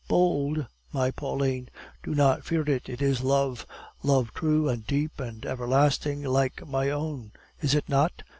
"Bold, my Pauline? Do not fear it. It is love, love true and deep and everlasting like my own, is it not?"